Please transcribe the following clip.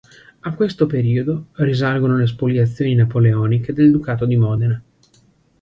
A questo periodo risalgono le spoliazioni napoleoniche del Ducato di Modena.